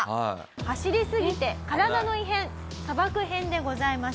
走りすぎて体の異変砂漠編でございます。